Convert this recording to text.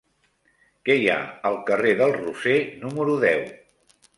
Què hi ha al carrer del Roser número deu?